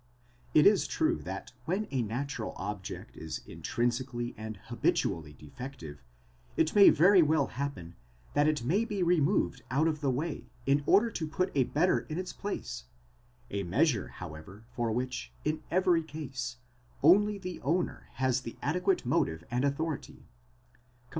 * It is true that when a natural object is intrinsically and habitually defective, it may very well happen, that it may be removed out of the way, in order to put a better in its place; a measure, however, for which, in every case, only the owner has the adequate motive and authority (comp.